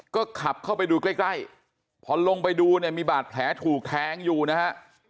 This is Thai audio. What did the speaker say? ก็ขับเข้าไปดูใกล้ใกล้พอลงไปดูเนี่ยมีบาดแผลถูกแทงอยู่นะฮะ